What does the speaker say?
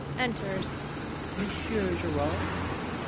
[Enters] Monsieur Gérard?